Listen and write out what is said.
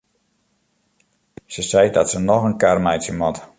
Se seit dat se noch in kar meitsje moat.